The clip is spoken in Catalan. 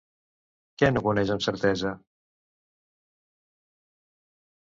Què no coneix amb certesa?